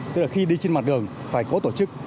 tức là khi đi trên mặt đường phải có tổ chức